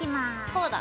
こうだ！